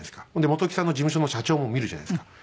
本木さんの事務所の社長も見るじゃないですか。